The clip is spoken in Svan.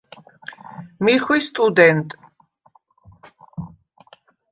მი ხვი სტუდენტ.